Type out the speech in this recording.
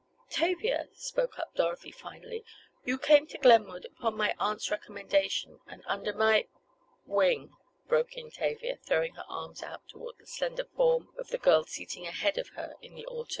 "Tavia," spoke up Dorothy finally, "you came to Glenwood upon my aunt's recommendation, and under my—" "Wing!" broke in Tavia, throwing her arms out toward the slender form of the girl seated ahead of her in the auto.